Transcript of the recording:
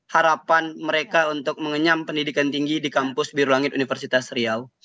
harapan mereka untuk mengenyam pendidikan tinggi di kampus biru langit universitas riau